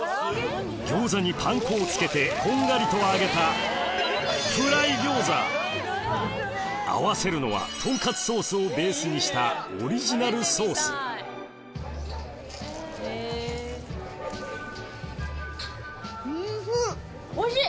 餃子にパン粉を付けてこんがりと揚げた合わせるのはとんかつソースをベースにしたおいしい！